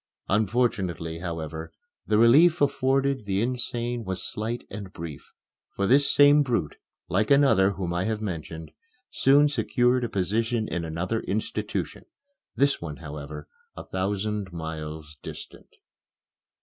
Unfortunately, however, the relief afforded the insane was slight and brief, for this same brute, like another whom I have mentioned, soon secured a position in another institution this one, however, a thousand miles distant.